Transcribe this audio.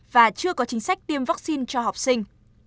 và chưa có chính sách tiêm vaccine cho học sinh